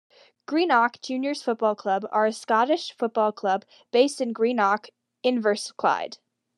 Greenock Juniors Football Club are a Scottish football club based in Greenock, Inverclyde.